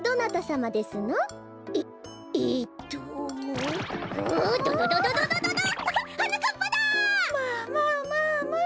まあまあまあまあ。